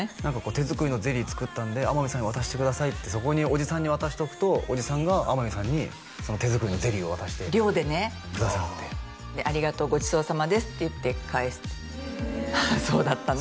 「手作りのゼリー作ったんで天海さんに渡してください」ってそこにおじさんに渡しとくとおじさんが天海さんに手作りのゼリーを渡して寮でね「ありがとうごちそうさまです」って言って返すそうだったね